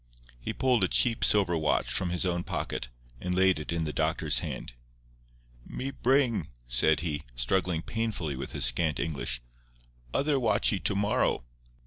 He pulled a cheap silver watch from his own pocket and laid it in the doctor's hand. "Me bring," said he, struggling painfully with his scant English, "other watchy to morrow."